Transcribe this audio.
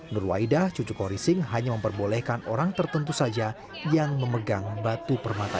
nur waidah cucu korising hanya memperbolehkan orang tertentu saja yang memegang batu permata